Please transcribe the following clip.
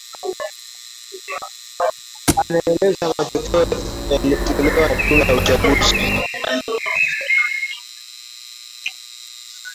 anaeleza matokeo yaliotolewa na tume ya uchaguzi